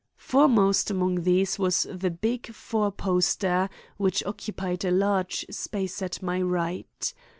Foremost among these was the big four poster which occupied a large space at my right.